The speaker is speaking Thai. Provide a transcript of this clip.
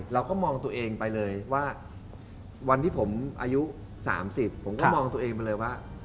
เราก็มองตัวเองไปเลยว่าวันที่ผมอายุ๓๐ผมก็มองตัวเองมาเลยว่า